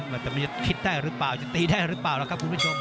อาจจะมีคิดได้หรือเปล่าจะตีได้หรือเปล่าล่ะครับคุณผู้ชม